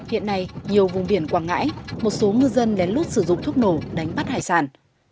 hiện nay nhiều vùng biển quảng ngãi một số ngư dân lén lút sử dụng thuốc nổ đánh bắt hải sản